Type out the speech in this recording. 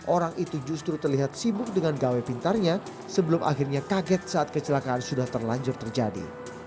orang itu justru terlihat sibuk dengan gawai pintarnya sebelum akhirnya kaget saat kecelakaan sudah terlanjur terjadi